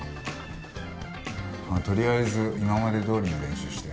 とりあえず今までどおりの練習して。